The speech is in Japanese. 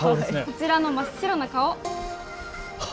こちらの真っ白な顔。